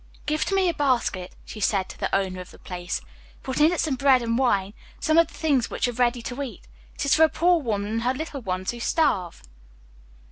"Give to me a basket," she said to the owner of the place. "Put in it some bread and wine some of the things which are ready to eat. It is for a poor woman and her little ones who starve."